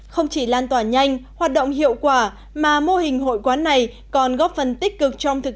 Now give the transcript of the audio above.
không chỉ lan tỏa nhanh hoạt động hiệu quả mà mô hình hội quán này còn góp phần tích cực trong thực